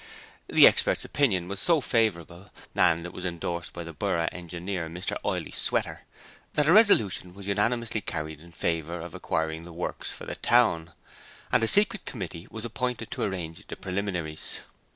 The expert's opinion was so favourable and it was endorsed by the Borough Engineer, Mr Oyley Sweater that a resolution was unanimously carried in favour of acquiring the Works for the town, and a secret committee was appointed to arrange the preliminaries.